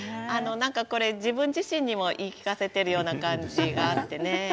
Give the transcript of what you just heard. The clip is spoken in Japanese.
自分自身にも言い聞かせている感じがあってね。